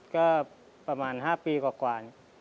ก็ประมาณ๕ปีกว่ากว่าน